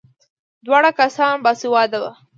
دواړه کسان باسواده وو.